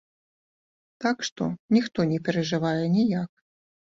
Так што ніхто не перажывае ніяк.